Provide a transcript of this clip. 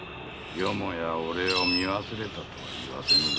よもや俺を見忘れたとは言わせぬぞ。